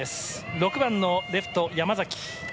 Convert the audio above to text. ６番のレフト、山崎。